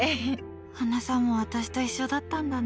ハナさんも私と一緒だったんだね。